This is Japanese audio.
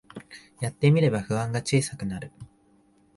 やってみれば不安が小さくなる